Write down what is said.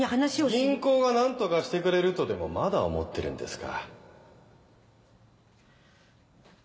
銀行が何とかしてくれるとでもまだ思ってるんですか？